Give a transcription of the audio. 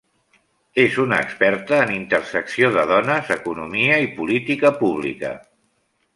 És una experta en intersecció de dones, economia i política pública.